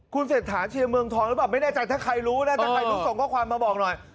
คุณเศรษฐาเชียร์เมืองทองหรือเปล่าไม่แน่ใจถ้าใครรู้นะถ้าใครรู้ส่งข้อความมาบอกหน่อย